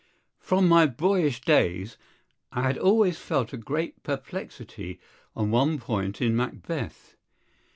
From my boyish days I had always felt a great perplexity on one point in Macbeth.